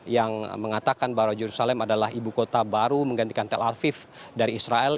yang mengatakan bahwa yerusalem adalah ibu kota baru menggantikan tel aviv dari israel